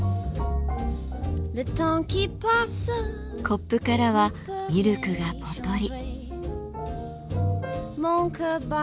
コップからはミルクがぽとり。